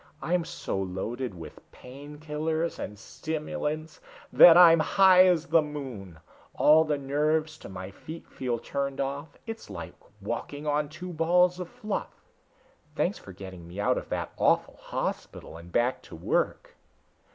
I'm so loaded with pain killers and stimulants that I'm high as the moon. All the nerves to my feet feel turned off it's like walking on two balls of fluff. Thanks for getting me out of that awful hospital and back to work."